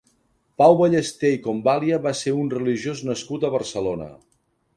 Pau Ballester i Convalia va ser un religiós nascut a Barcelona.